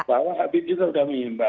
bahwa habis itu sudah mengimbau